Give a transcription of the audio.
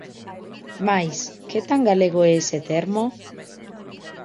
Mais, que tan galego é ese termo?